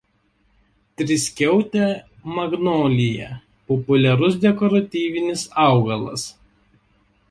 Triskiautė magnolija populiarus dekoratyvinis augalas.